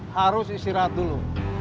harus istirahat dulu